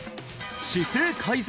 姿勢改善